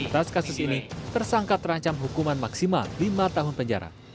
atas kasus ini tersangka terancam hukuman maksimal lima tahun penjara